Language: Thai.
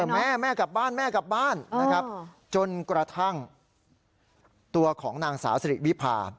แม่กลับบ้านแม่กลับบ้านจนกระทั่งตัวของนางสาวสดิวิภา